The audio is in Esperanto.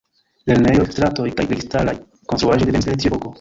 Lernejoj, stratoj kaj registaraj konstruaĵoj devenis el tiu epoko.